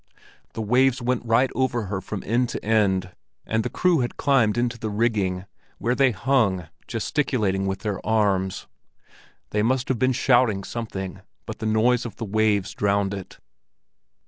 The waves went right over her from end to end, and the crew had climbed into the rigging, where they hung gesticulating with their arms. They must have been shouting something, but the noise of the waves drowned it.